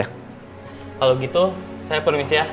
kalau gitu saya permis ya